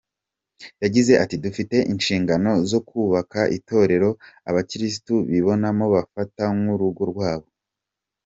Yagize ati “Dufite inshingano zo kubaka itorero abakirisitu bibonamo bafata nk’urugo rwabo.